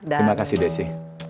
terima kasih desy